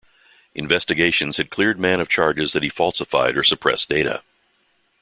Investigations had cleared Mann of charges that he falsified or suppressed data.